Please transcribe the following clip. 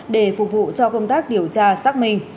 để phục vụ cho công tác điều tra xác minh